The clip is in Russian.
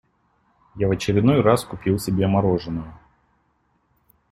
Я в очередной раз купил себе мороженного.